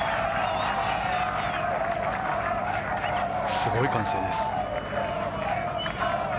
すごい歓声です。